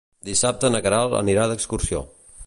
Dissabte na Queralt anirà d'excursió.